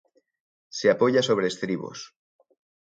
Se apoya sobre estribos.